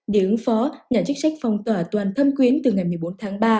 để ứng phó nhà chức trách phong tỏa toàn thâm quyến từ ngày một mươi bốn tháng ba